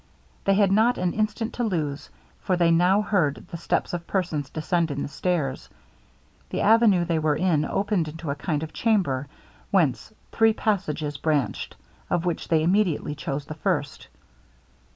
They had not an instant to lose; for they now heard the steps of persons descending the stairs. The avenue they were in opened into a kind of chamber, whence three passages branched, of which they immediately chose the first.